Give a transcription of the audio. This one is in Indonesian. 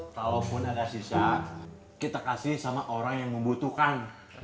kalaupun ada sisa kita kasih sama orang yang membutuhkan